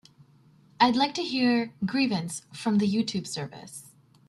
I'd like to hear Grievance from the Youtube service